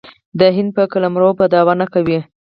د هند په قلمرو به دعوه نه کوي.